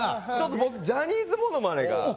ちょっと僕ジャニーズものまねが。